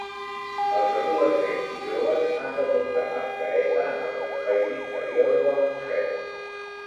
Els adolescents i joves han de portar mascareta en els espais interiors dels museus.